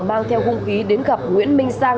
mang theo hung khí đến gặp nguyễn minh sang